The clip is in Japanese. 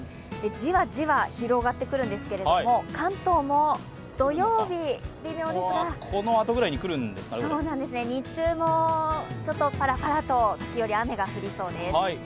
じわじわ広がってくるんですけれども関東も土曜日、微妙ですが日中も、ちょっとパラパラと時折、雨が降りそうです。